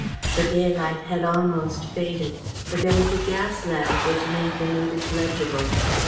The daylight had almost faded, but there was a gas lamp which made the notice legible.